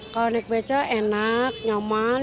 kalau naik beca enak nyaman